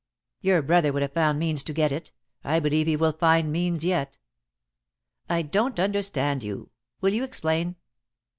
"Your brother would have found means to get it. I believe he will find means yet." "I don't understand you. Will you explain?"